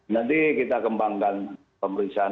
nanti kita kembangkan pemeriksaan